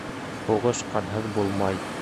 Һуғыш ҡанһыҙ булмай.